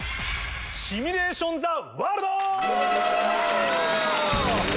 シミュレーション・ザ・ワールド！